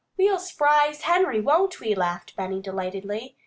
"We'll s'prise Henry, won't we?" laughed Benny delightedly.